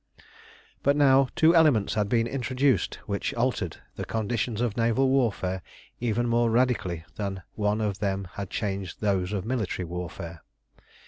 But now two elements had been introduced which altered the conditions of naval warfare even more radically than one of them had changed those of military warfare.